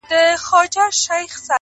د مرغانو په کتار کي راتلای نه سې.!